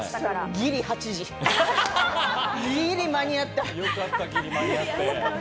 ギリ間に合った。